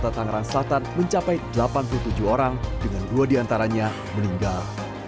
jumlah kasus demam yang dirawat di rumah sakit umum kota tangerang selatan mencapai delapan puluh tujuh orang dengan dua diantaranya meninggal